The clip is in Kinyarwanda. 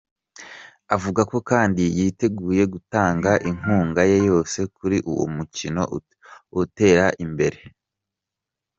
Avuga ko kandi yiteguye gutanga inkunga ye yose kuri uwo mukino utere imbere.